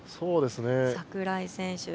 櫻井選手。